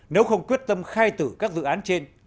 nếu không quyết tâm khai tử các dự án trên